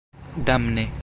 damne